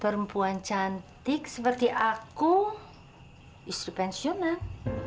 perempuan cantik seperti aku isu pensiunan